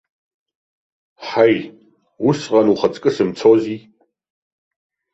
Ҳаи, усҟан ухаҵкы сымцози!